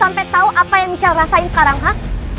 sampe tau apa yang michelle rasain sekarang ha